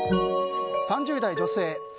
３０代女性。